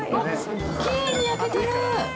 きれいに焼けてる！